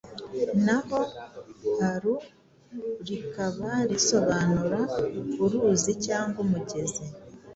naho aru rikaba risobanura uruzi cyangwa umugezi .